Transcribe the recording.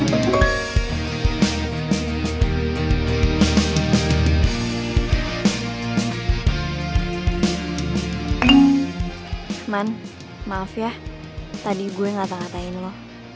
mas makasih ya tadi gue ngata katain lo